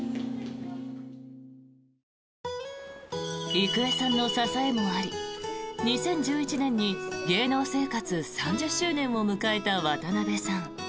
郁恵さんの支えもあり２０１１年に芸能生活３０周年を迎えた渡辺さん。